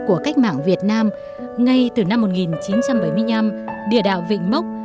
của cách mạng việt nam ngay từ năm một nghìn chín trăm bảy mươi năm địa đạo vịnh mốc